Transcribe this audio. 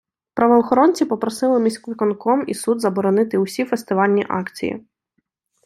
Правоохоронці попросили міськвиконком і суд заборонити усі фестивальні акції.